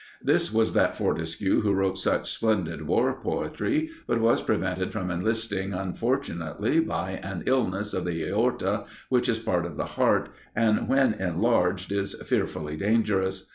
This was that Fortescue, who wrote such splendid War poetry, but was prevented from enlisting unfortunately by an illness of the aorta, which is part of the heart, and, when enlarged, is fearfully dangerous.